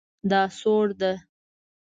دا سوړ ده